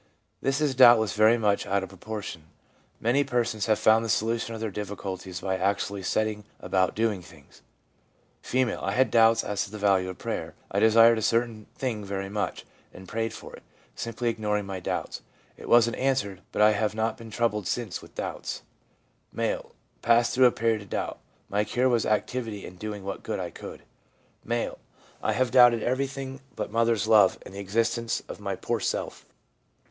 This is doubtless very much out of proportion. Many persons have found the solu tion of their difficulties by actually setting about doing things. F. ' I had doubts as to the value of prayer. I desired a certain thing very much, and prayed for it, simply ignoring my doubts. It wasn't answered, but I have not been troubled since with doubts/ M. * Passed through a period of doubt. My cure was activity in doing what good I could.' M. ' Have doubted every thing but a mother's love, and the existence of my poor self.